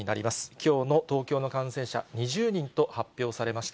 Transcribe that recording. きょうの東京の感染者２０人と発表されました。